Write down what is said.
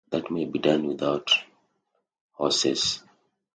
That may be done without horses.